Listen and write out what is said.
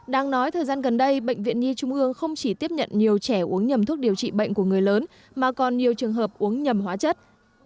đang nói thời gian gần đây bệnh viện nhi trung ương không chỉ tiếp nhận nhiều trẻ uống nhầm thuốc điều trị bệnh của người lớn mà còn nhiều trường hợp uống nhầm hóa chất